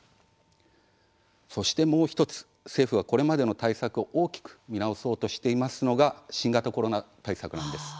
そして、もう１つ政府がこれまでの対策を大きく見直そうとしていますのが新型コロナ対策なんです。